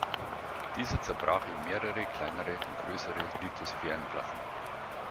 Dieser zerbrach in mehrere kleinere und größere Lithosphärenplatten.